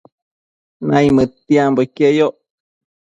Naimëdtiambo iqueyoc